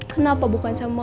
kenapa bukan sama mama aja